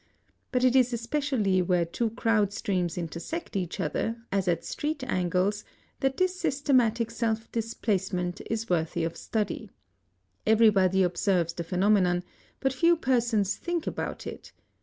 But it is especially where two crowd streams intersect each other, as at street angles, that this systematic self displacement is worthy of study. Everybody observes the phenomenon; but few persons think about it.